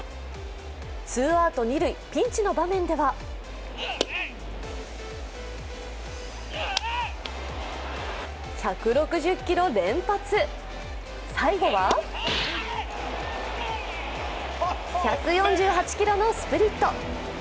ツーアウト、二塁ピンチの場面では１６０キロを連発、最後は１４８キロのスプリット。